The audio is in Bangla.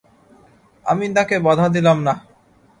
আমি তাকে বাধা দিলাম না।